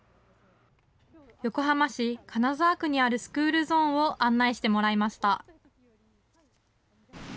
横浜市金沢区にあるスクールゾーンを案内してもらいました。